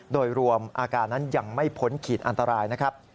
โดยรวมอาการนั้นยังไม่พ้นขีดอันตรายนะครับ